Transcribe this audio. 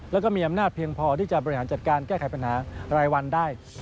แล้วก็มีอำนาจเพียงพอที่จะบริหารจัดการแก้ไขปัญหารายวันได้